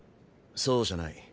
そうじゃない。